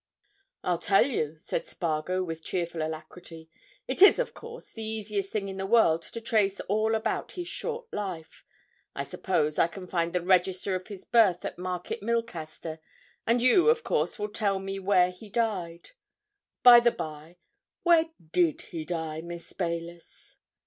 "I'll tell you," said Spargo with cheerful alacrity. "It is, of course, the easiest thing in the world to trace all about his short life. I suppose I can find the register of his birth at Market Milcaster, and you, of course, will tell me where he died. By the by, when did he die, Miss Baylis?"